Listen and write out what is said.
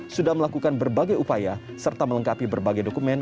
sudah melakukan berbagai upaya serta melengkapi berbagai dokumen